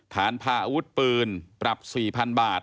ฐานพาอาวุธปืนปรับ๔๐๐๐บาท